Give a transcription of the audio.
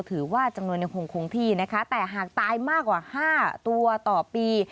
ถือว่าจำนวนยังคงคงที่นะคะแต่หากตายมากกว่า๕ตัวต่อปี